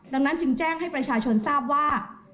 ดังนั้นจึงแจ้งให้ประชาชนทราบว่า